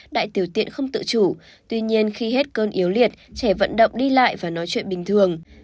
đại tiểu tiện không tự chủ tuy nhiên khi hết cơn yếu liệt trẻ vận động đi lại và nói chuyện bình thường